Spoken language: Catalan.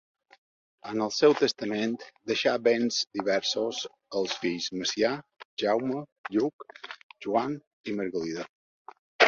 En el seu testament deixà béns diversos als fills Macià, Jaume, Lluc, Joan i Margalida.